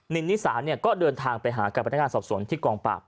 นินนิสาก็เดินทางไปหากับพนักงานสอบสวนที่กองปราบ